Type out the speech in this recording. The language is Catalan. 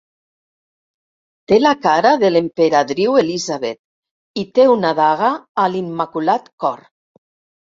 Té la cara de l'Emperadriu Elisabet i té una daga a l'Immaculat Cor.